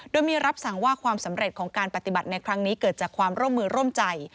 โดยมีรับสั่งว่าความสำเร็จของการปฏิบัติในครั้งนี้เกิดจากความร่วมมือร่วมใจ